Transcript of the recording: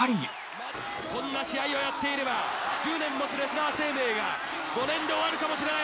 こんな試合をやっていれば１０年持つレスラー生命が５年で終わるかもしれない！